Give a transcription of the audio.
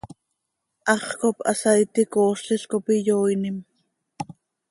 Hax cop hasaaiti coozlil cop iyooinim.